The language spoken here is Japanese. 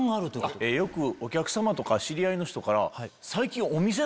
よくお客様とか知り合いの人から。